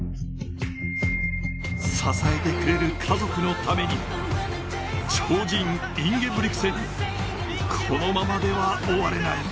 支えてくれる家族のために、超人インゲブリクセン、このままでは終われない。